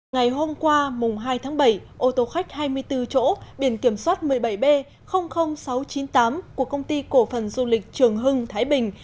ngày hôm qua mùng hai tháng bảy ô tô khách hai mươi bốn chỗ biển kiểm soát một mươi bảy b sáu trăm chín mươi tám của công ty cổ phần du lịch trường hưng thái bình